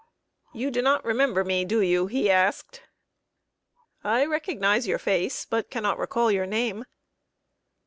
"You do not remember me, do you?" he asked. "I recognize your face, but cannot recall your name."